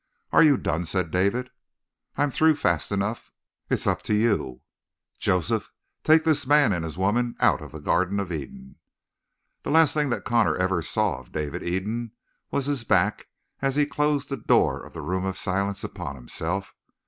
"Are you done?" said David. "I'm through, fast enough. It's up to you!" "Joseph, take the man and his woman out of the Garden of Eden." The last thing that Connor ever saw of David Eden was his back as he closed the door of the Room of Silence upon himself.